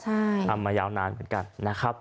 ทำมายาวนานเหมือนกันนะครับ